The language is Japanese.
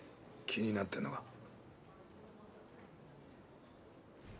気になってんのか？